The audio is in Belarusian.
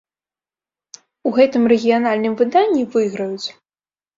У гэтым рэгіянальныя выданні выйграюць.